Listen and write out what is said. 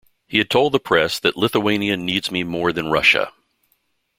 He had told the press that, Lithuania needs me more than Russia.